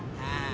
terima kasih pak